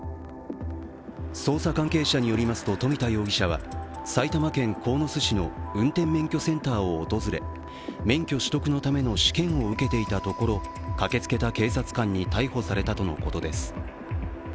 捜査関係者によりますと、富田容疑者は埼玉県鴻巣市の運転免許センターを訪れ免許取得のための試験を受けていたところ駆けつけた警察官に逮捕されたとのことです。